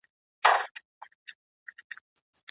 اقتصادي پرمختيا د سوکاله ژوند لپاره لومړنی شرط دی.